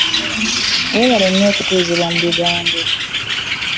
Weewale nnyo okutuuzibwa mu bigambo.